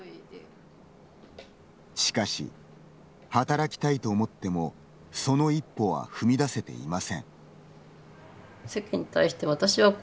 しかし、働きたいと思ってもその一歩は踏み出せていません。